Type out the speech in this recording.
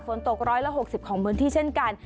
ฝนตก๑๖๐ของพื้นที่เช่นกัน